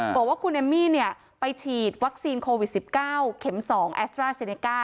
บอกว่าคุณเอมมี่ไปฉีดวัคซีนโควิด๑๙เข็ม๒แอสตราเซเนก้า